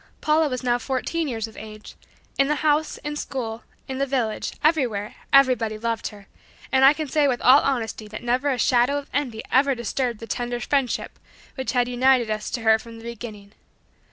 Paula was now fourteen years of age. In the house, at school, in the village, everywhere, everybody loved her, and I can say with all honesty that never a shadow of envy ever disturbed the tender friendship which had united us to her from the beginning.